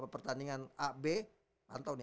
pertandingan a b pantau nih